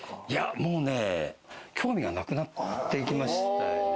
もうね、興味がなくなってきまして。